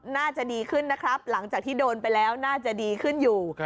น่าจะดีขึ้นนะครับหลังจากที่โดนไปแล้วน่าจะดีขึ้นอยู่